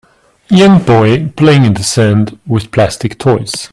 Young boy playing in the sand with plastic toys.